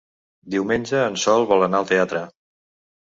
Diumenge en Sol vol anar al teatre.